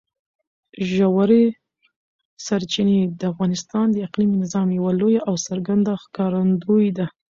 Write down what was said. ژورې سرچینې د افغانستان د اقلیمي نظام یوه لویه او څرګنده ښکارندوی ده.